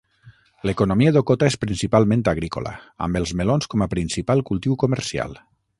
L'economia d'Hokota és principalment agrícola, amb els melons com a principal cultiu comercial.